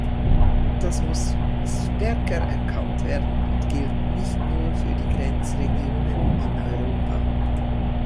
Das muss stärker erkannt werden und gilt nicht nur für die Grenzregionen in Europa.